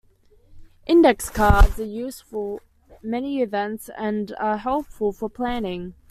Index cards are used for many events and are helpful for planning.